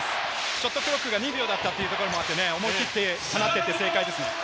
ショットクロック２秒だったところもあって、思い切って放っていって正解です。